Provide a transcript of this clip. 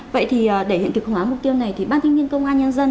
vậy thì để hiện thực hóa mục tiêu này thì ban kinh nghiên công an nhân dân